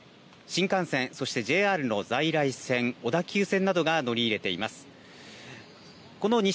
新幹線、そしてＪＲの在来線小田急線などが乗り入れています。